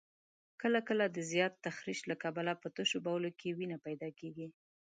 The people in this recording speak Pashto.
کله کله د زیات تخریش له کبله په تشو بولو کې وینه پیدا کېږي.